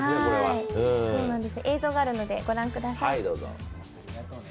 映像があるので御覧ください。